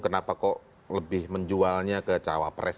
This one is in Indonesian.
kenapa kok lebih menjualnya ke cawapres